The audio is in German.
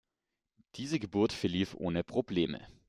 Diese Geburt verlief ohne Probleme.